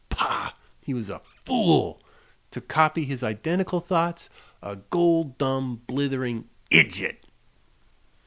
Pah! he was a fool to copy his identical thoughts: "a gol dum blithering idjit!"